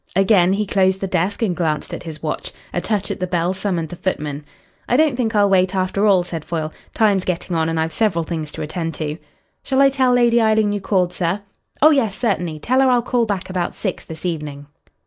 Again he closed the desk and glanced at his watch. A touch at the bell summoned the footman. "I don't think I'll wait, after all," said Foyle. "Time's getting on, and I've several things to attend to." "Shall I tell Lady Eileen you called, sir?" "Oh yes, certainly. Tell her I'll call back about six this evening."